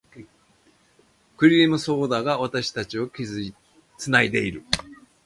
クリームソーダが、私たちを繋いでいる。